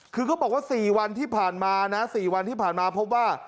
คือเขาบอกว่า๔วันที่ผ่านมานะ๔วันที่ผ่านมาพบว่า